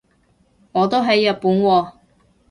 我都喺日本喎